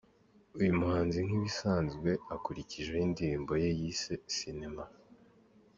Uyu muhanzi nk’ibisanzwe akurikijeho indirimbo ye yise Sinema.